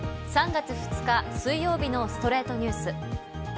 ３月２日、水曜日の『ストレイトニュース』。